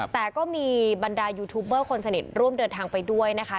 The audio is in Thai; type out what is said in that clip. แต่ก็มีบรรดายูทูบเบอร์คนสนิทร่วมเดินทางไปด้วยนะคะ